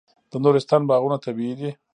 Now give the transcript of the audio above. د نورستان باغونه طبیعي دي.